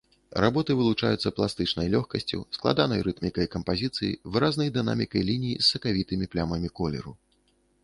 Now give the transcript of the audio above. Работы вылучаюцца пластычнай лёгкасцю, складанай рытмікай кампазіцыі, выразнай дынамікай ліній з сакавітымі плямамі колеру.